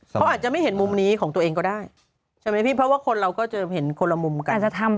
เขาอาจจะไม่เห็นมุมนี้ของตัวเองก็ได้ใช่ไหมพี่เพราะว่าคนเราก็จะเห็นคนละมุมกัน